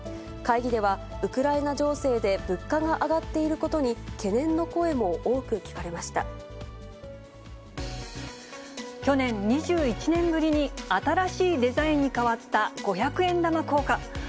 会議では、ウクライナ情勢で物価が上がっていることに懸念の声も多く聞かれ去年、２１年ぶりに新しいデザインに変わった五百円玉硬貨。